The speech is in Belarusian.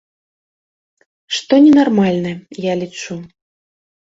Што ненармальна, я лічу.